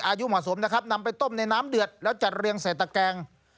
อายุเหมาะสมนะครับนำไปต้มในน้ำเดือดแล้วจัดเรียงใส่ตะแกง